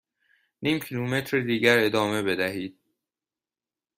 نیم کیلومتر دیگر ادامه بدهید.